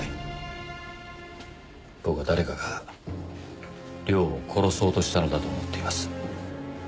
僕は誰かが涼を殺そうとしたのだと思っています。